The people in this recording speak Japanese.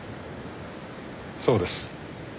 そうです。